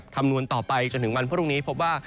คำนวณต่อไปจนถึงวันพรุ่งนี้พบว่า